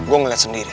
gua ngeliat sendiri